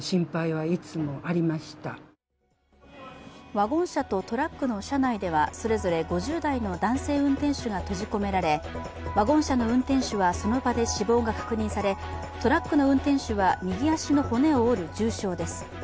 ワゴン車とトラックの車内ではそれぞれ５０代の男性運転手が閉じ込められ、ワゴン車の運転手はその場で死亡が確認され、トラックの運転手は右足の骨を折る重傷です。